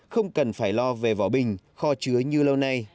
không cần phải lo về vỏ bình kho chứa như lâu nay